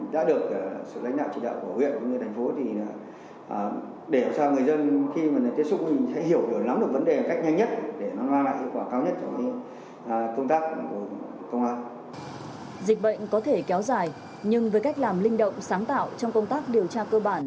dịch bệnh có thể kéo dài nhưng với cách làm linh động sáng tạo trong công tác điều tra cơ bản